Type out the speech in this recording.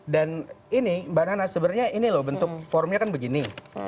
dan ini mbak nana sebenarnya ini loh bentuk formnya kan begini